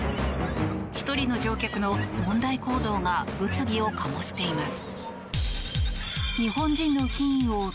１人の乗客の問題行動が物議を醸しています。